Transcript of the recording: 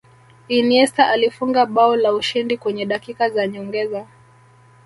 iniesta alifunga bao la ushindi kwenye dakika za nyongeza